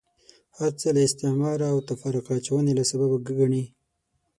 هرڅه له استعماره او تفرقه اچونې له سببه ګڼي.